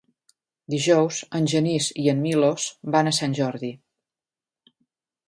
Dijous en Genís i en Milos van a Sant Jordi.